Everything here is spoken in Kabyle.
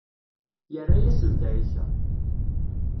Yerra-asen-d ɛisa.